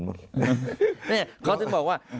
นี่เขาถึงบอกว่า